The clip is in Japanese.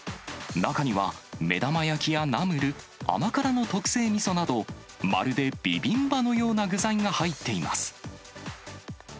中には、目玉焼きやナムル、甘辛の特製みそなど、まるでビビンバのような具材が入っています。